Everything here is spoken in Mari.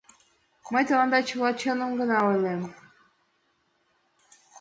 — Мый тыланда чыным гына ойлем.